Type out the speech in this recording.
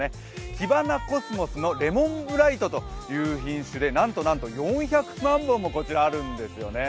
キバナコスモスのレモンブライトという品種で、なんとなんと４００万本もこちらあるんですよね。